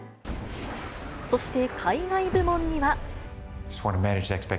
そして海外部門には。